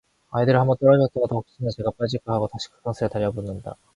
아이들은 한번 떨어졌다가도 혹시나 제가 빠질까 하고 다시 극성스레 달려붙는다.